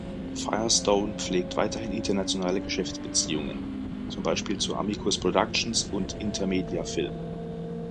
Firestone pflegt weiterhin internationale Geschäftsbeziehungen, zum Beispiel zu Amicus Productions und "Intermedia Film".